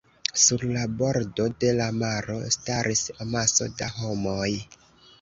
Sur la bordo de la maro staris amaso da homoj.